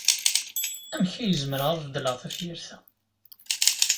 Amek ay zemreɣ ad beddleɣ tafyirt-a?